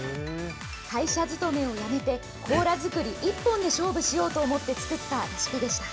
会社勤めを辞めて、コーラ作り一本で勝負しようと思って作ったレシピでした。